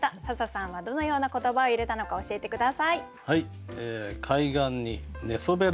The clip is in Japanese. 笹さんはどのような言葉を入れたのか教えて下さい。